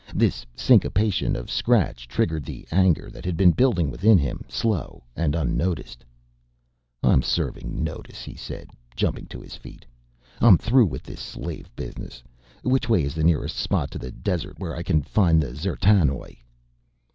This syncopation of scratch triggered the anger that had been building within him, slow and unnoticed. "I'm serving notice," he said, jumping to his feet. "I'm through with this slave business. Which way is the nearest spot in the desert where I can find the D'zertanoj?"